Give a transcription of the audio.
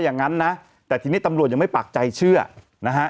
ท้องกับสามีใหม่ตอนนี้๕เดือน